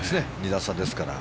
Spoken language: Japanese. ２打差ですから。